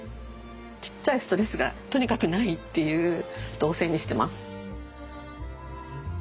ちっちゃいストレスがとにかくないっていう動線にしてます。